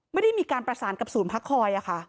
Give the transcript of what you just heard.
ไม่ได้มีการประสานกับศูนย์พักคอย